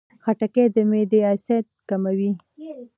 خټکی د معدې اسید کموي.